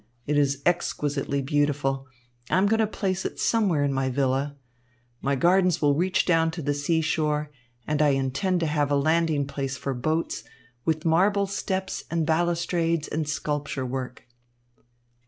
It is exquisitely beautiful. I am going to place it somewhere in my villa. My gardens will reach down to the seashore, and I intend to have a landing place for boats, with marble steps and balustrades and sculpture work."